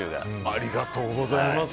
ありがとうございます。